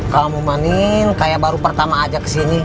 kamu manin kayak baru pertama aja ke sini